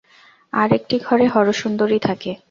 আর একটি ঘরে হরসুন্দরী থাকে।